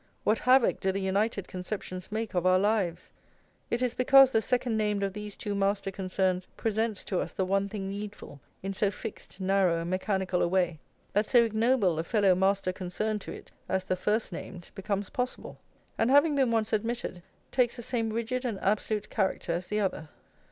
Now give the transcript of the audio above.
What havoc do the united conceptions make of our lives! It is because the second named of these two master concerns presents to us the one thing needful in so fixed, narrow, and mechanical a way, that so ignoble a fellow master concern to it as the first named becomes possible; and, having been once admitted, takes the same rigid and absolute character as the other.